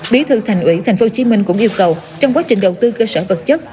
bí thư thành ủy tp hcm cũng yêu cầu trong quá trình đầu tư cơ sở vật chất